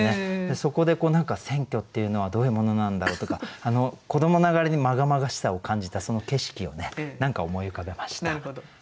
そこで何か選挙っていうのはどういうものなんだろうとか子どもながらにまがまがしさを感じたその景色を何か思い浮かべました。